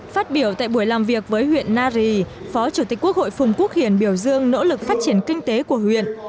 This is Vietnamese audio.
phát biểu tại buổi làm việc với huyện nari phó chủ tịch quốc hội phùng quốc hiển biểu dương nỗ lực phát triển kinh tế của huyện